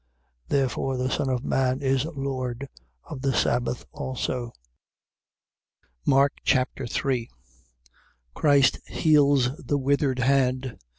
Therefore the Son of man is Lord of the sabbath also. Mark Chapter 3 Christ heals the withered hand.